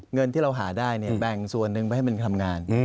เงินที่เราหาได้เนี่ยแบ่งส่วนหนึ่งไปให้มันทำงาน